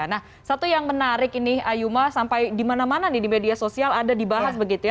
nah satu yang menarik ini ayuma sampai di mana mana nih di media sosial ada dibahas begitu ya